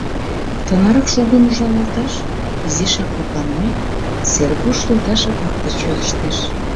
— Тынар шулдын ужалалташ?! — изишак лыпланымек, Сергуш йолташыже-влак деч йодыштеш.